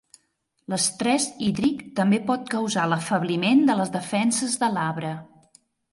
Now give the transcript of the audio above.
L'estrès hídric també pot causar l'afebliment de les defenses de l'arbre.